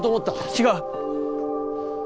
違う。